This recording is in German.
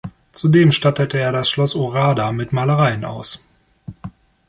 Zudem stattete er das Schloss Ohrada mit Malereien aus.